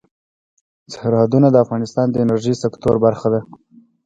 سرحدونه د افغانستان د انرژۍ سکتور برخه ده.